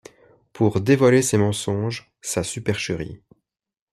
Pour dévoiler ses mensonges, sa supercherie.